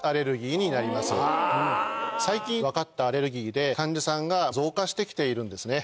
最近分かったアレルギーで患者さんが増加してきているんですね。